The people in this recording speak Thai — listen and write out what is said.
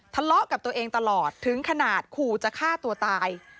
ทะเลาะกับตัวเองตลอดถึงขนาดขู่จะฆ่าตัวตาย